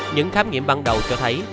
những khám nghiệm ban đầu cho thấy